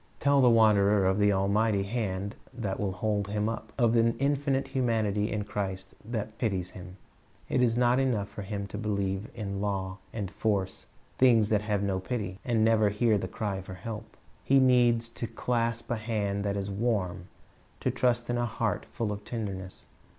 Tell the wanderer of an almighty hand that will hold him up, of an infinite humanity in Christ that pities him. It is not enough for him to believe in law and force, things that have no pity, and never hear the cry for help. He needs to clasp a hand that is warm, to trust in a heart full of tenderness.